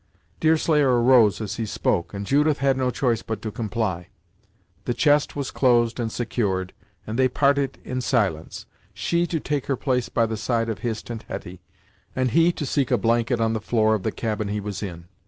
Deerslayer arose as he spoke, and Judith had no choice but to comply. The chest was closed and secured, and they parted in silence, she to take her place by the side of Hist and Hetty, and he to seek a blanket on the floor of the cabin he was in.